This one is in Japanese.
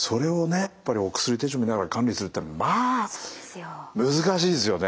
やっぱりお薬手帳見ながら管理するっていうのはまあ難しいですよね。